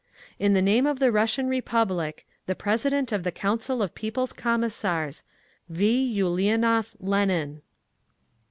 In the name of the Russian Republic, the President of the Council of People's Commissars, V. ULIANOV LENIN.